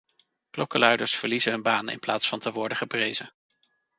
Klokkenluiders verliezen hun baan in plaats van te worden geprezen.